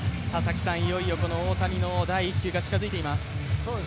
いよいよ大谷の第１球が近づいています。